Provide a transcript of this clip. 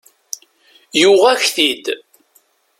Yuɣ-ak-t-id.